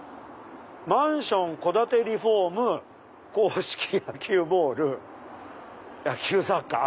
「マンション戸建てリフォーム硬式野球ボール野球雑貨」。